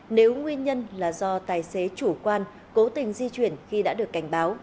nếu nguyên nhân là do tài xế chủ quan cố tình di chuyển khi đã được cảnh báo